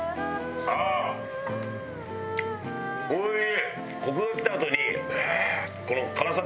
おいしい！